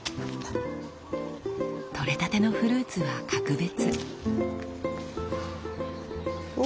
取れたてのフルーツは格別。